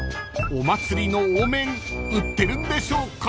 ［お祭りのお面売ってるんでしょうか］